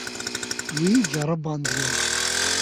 Wî ceribandiye.